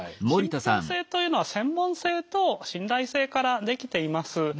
信ぴょう性というのは専門性と信頼性からできています。